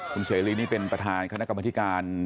คุณเสรีนี่เป็นประธานคณะกรรมธิการ